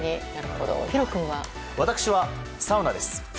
私はサウナです。